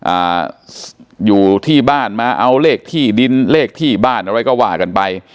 อ่าอยู่ที่บ้านมาเอาเลขที่ดินเลขที่บ้านอะไรก็ว่ากันไป